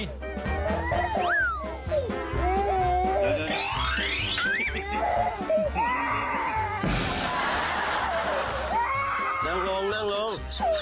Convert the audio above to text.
นั่งลง